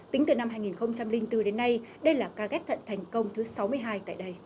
tính từ năm hai nghìn bốn đến nay đây là ca ghép thận thành công thứ sáu mươi hai tại đây